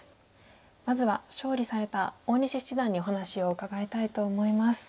まずは勝利された大西七段にお話を伺いたいと思います。